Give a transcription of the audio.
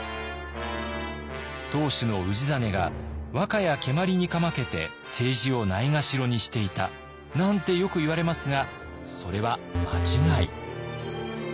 当主の氏真が和歌や蹴鞠にかまけて政治をないがしろにしていたなんてよくいわれますがそれは間違い。